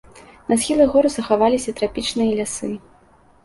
На схілах гор захаваліся трапічныя лясы.